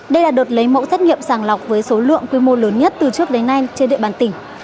đây là đợt lấy mẫu xét nghiệm sàng lọc với số lượng quy mô lớn nhất từ trước đến nay trên địa bàn tỉnh